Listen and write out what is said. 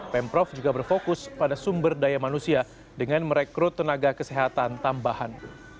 pemprov juga berfokus pada sumber daya manusia dengan merekrut tenaga kesehatan tambahan